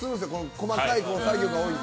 細かい作業が多いので。